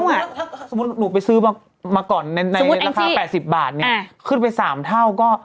ถ้าสมมุติหนูไปซื้อมาก่อนในราคา๘๐บาทเนี่ยขึ้นไป๓เท่าก็